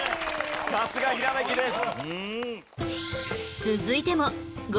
さすがひらめきです。